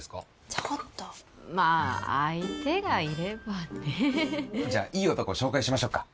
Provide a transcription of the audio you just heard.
ちょっとまあ相手がいればねじゃあいい男紹介しましょっか？